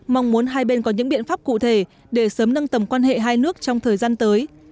mong muốn hai bên có những biện pháp cụ thể để sớm nâng tầm quan hệ hai nước trong thời gian tới